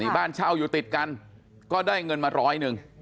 บ้านเช่าอยู่ติดกันก็ได้เงินมาร้อยหนึ่ง